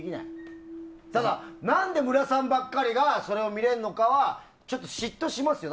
ただ、何で武良さんばかりがそれを見れるのかはちょっと嫉妬しますよ。